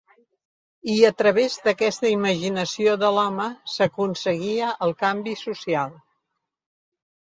I a través d’aquesta imaginació de l’home s’aconseguia el canvi social.